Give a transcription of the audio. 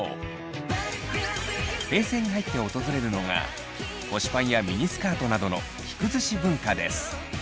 平成に入って訪れるのが腰パンやミニスカートなどの着崩し文化です。